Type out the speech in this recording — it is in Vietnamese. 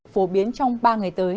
phổ biến trong ba ngày tới